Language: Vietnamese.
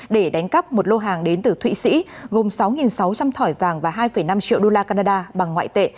để đánh cắp một lô hàng đến từ thụy sĩ gồm sáu sáu trăm linh thỏi vàng và hai năm triệu đô la canada bằng ngoại tệ